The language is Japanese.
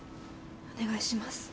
お願いします。